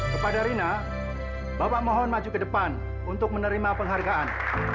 kepada rina bapak mohon maju ke depan untuk menerima penghargaan